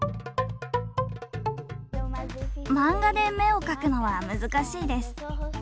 漫画で目を描くのは難しいです。